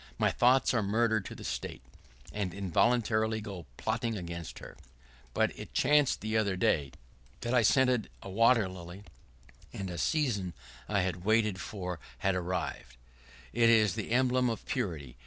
My thoughts are murder to the State, and involuntarily go plotting against her. [¶49] But it chanced the other day that I scented a white water lily, and a season I had waited for had arrived. It is the emblem of purity.